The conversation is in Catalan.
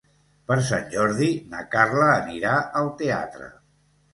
Per Sant Jordi na Carla anirà al teatre.